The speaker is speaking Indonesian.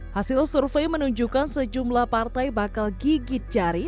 hasil survei menunjukkan sejumlah partai bakal gigit jari